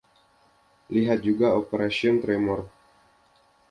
Lihat juga Operation Tremor.